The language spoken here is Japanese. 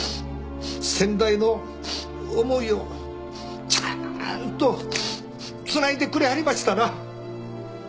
先代の思いをちゃんとつないでくれはりましたな。